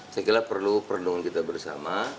saya kira perlu perlindungan kita bersama